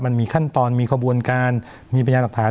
มันมีขั้นตอนมีข้อบวนการมีปัญญาหนักฐาน